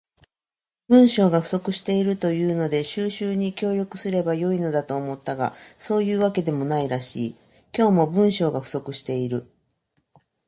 文章が不足しているというので収集に協力すれば良いのだと思ったが、そういうわけでもないらしい。今日も、文章が不足している。